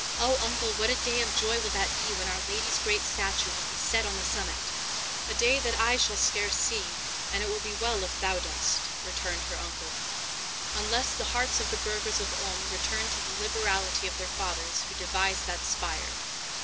O uncle, what a day of joy will that be when Our Lady's great statue will be set on the summit!" "A day that I shall scarce see, and it will be well if thou dost," returned her uncle, "unless the hearts of the burghers of Ulm return to the liberality of their fathers, who devised that spire!